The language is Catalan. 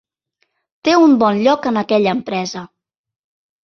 Té un bon lloc en aquella empresa.